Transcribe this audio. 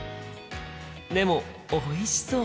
でもおいしそう！